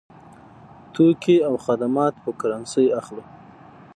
توکي او خدمات په کرنسۍ اخلو.